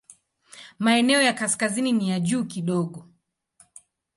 Maeneo ya kaskazini ni ya juu kidogo.